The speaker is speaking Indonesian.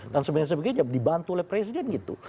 dan sebagainya sebagainya dibantu oleh presiden gitu